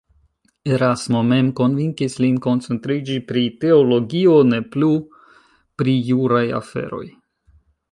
Erasmo mem konvinkis lin koncentriĝi pri teologio, ne plu pri juraj aferoj.